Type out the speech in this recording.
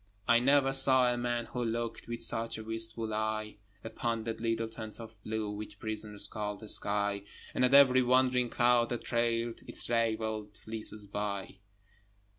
I never saw a man who looked With such a wistful eye Upon that little tent of blue Which prisoners call the sky, And at every wandering cloud that trailed Its ravelled fleeces by.